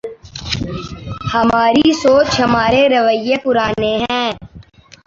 ہماری سوچ ‘ ہمارے رویے پرانے ہیں۔